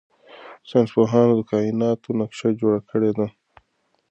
ساینس پوهانو د کائناتو نقشه جوړه کړې ده.